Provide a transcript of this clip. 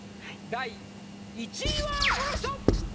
第１位はこの人！